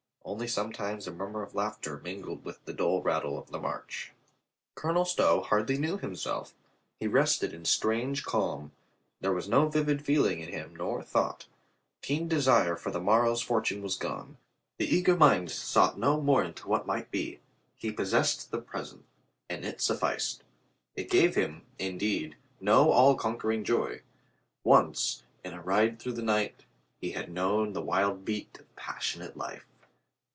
Only sometimes a murmur of laughter mingled with the dull rattle of the march. Colonel Stow hardly knew himself. He rested in strange calm. There was no vivid feeling in him nor thought. Keen desire of the morrow's for tune was gone. The eager mind sought no more into what might be. He possessed the present, and it sufficed. It gave him, indeed, no all conquering joy. Once, in a ride through the night, he had known the wild beat of passionate life.